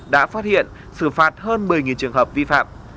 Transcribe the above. đã phát hiện xử phạt hơn một mươi trường hợp vi phạm